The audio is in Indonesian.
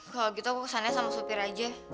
kalau gitu kukusannya sama supir aja